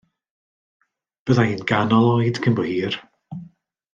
Bydda i'n ganol oed cyn bo hir.